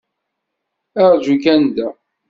Aṛǧu kan da.